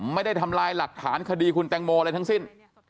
ไม่ได้ทำลายหลักฐานคดีคุณแตงโมอะไรทั้งสิ้น